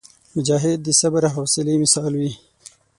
مجاهد د صبر او حوصلي مثال وي.